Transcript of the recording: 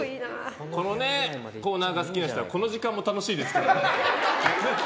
このコーナーが好きな人はこの時間も好きですから。